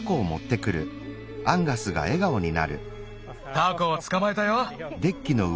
タコをつかまえたよ。